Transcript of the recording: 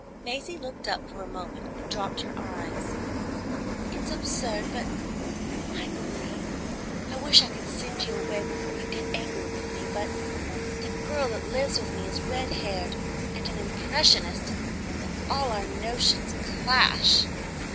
Maisie looked up for a moment and dropped her eyes. "It's absurd, but—I believe. I wish I could send you away before you get angry with me. But—but the girl that lives with me is red haired, and an impressionist, and all our notions clash."